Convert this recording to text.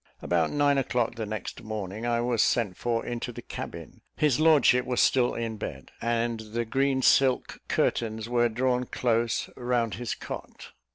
About nine o'clock the next morning, I was sent for into the cabin; his lordship was still in bed, and the green silk curtains were drawn close round his cot.